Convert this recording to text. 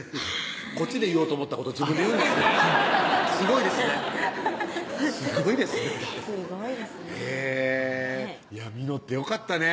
こっちで言おうと思ったこと自分で言うんですねすごいですねすごいですねすごいですね実ってよかったね